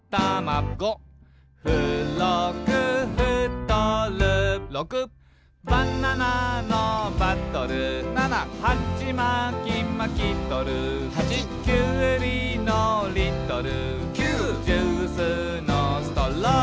「ご」「ふろくふとる」「ろく」「バナナのバトル」「ナナ」「はちまきまきとる」「はち」「きゅうりのリトル」「きゅう」「ジュースのストロー」